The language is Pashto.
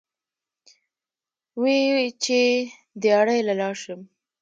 وې ئې چې " دیاړۍ له لاړ شم ـ